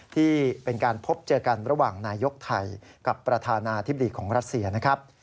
ที่เป็นการพบเจอกันระหว่างนายกไทยกับประธานาธิบดีของรัสเซียนะครับ